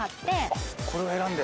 あっこれを選んで。